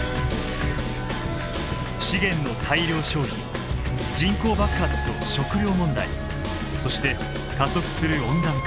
資源の大量消費人口爆発と食料問題そして加速する温暖化。